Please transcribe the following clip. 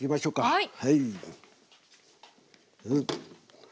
はい。